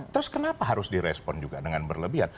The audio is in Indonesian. terus kenapa harus direspon juga dengan berlebihan